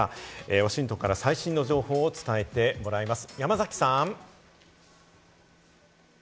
ワシントンから最新の情報を伝えてもらいます、山崎さん。